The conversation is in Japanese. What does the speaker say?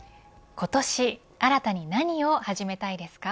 今年新たに何を始めたいですか。